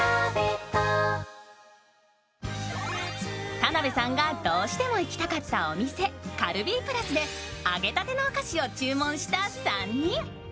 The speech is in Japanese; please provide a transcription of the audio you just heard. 田辺さんがどうしても行きたかったお店、カルビープラスで揚げたてのお菓子を注文した３人。